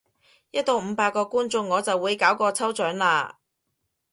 一到五百個觀眾我就會搞個抽獎喇！